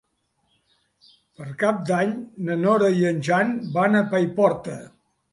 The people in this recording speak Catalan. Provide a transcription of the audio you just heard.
Per Cap d'Any na Nora i en Jan van a Paiporta.